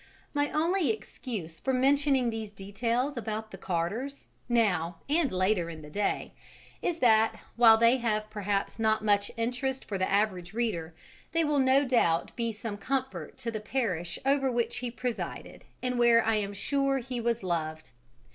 My only excuse for mentioning these details about the Carters now and later in the day is that, while they have perhaps not much interest for the average reader, they will no doubt be some comfort to the parish over which he presided and where I am sure he was loved.